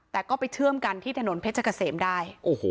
แต่ก็ไปเชื่อมกันที่ถนนเพชรเกษมได้